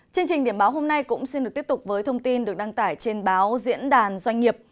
chương trình điểm báo hôm nay cũng xin được tiếp tục với thông tin được đăng tải trên báo diễn đàn doanh nghiệp